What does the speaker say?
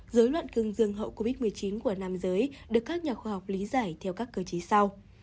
dối loạn cương dương hậu covid một mươi chín của nam giới được các nhà khoa học lý giải theo các cơ chế sau